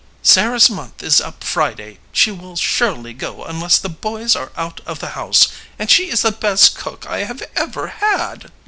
"Sarah's month is up Friday. She will surely go unless the boys are out of the house. And she is the best cook I have ever had."